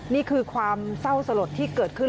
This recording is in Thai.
นี่คือความเศร้าสลดที่เกิดขึ้น